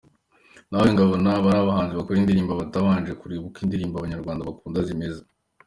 Nawe ngo abona hari abahanzi bakora indirimbo batabanje kureba uko indirimbo Abanyarwanda bakunda zimeze.